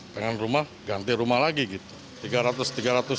pengen rumah ganti rumah lagi gitu